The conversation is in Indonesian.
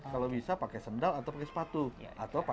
kalau bisa pakai sendal atau pakai sepatu